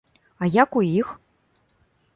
А як у іх?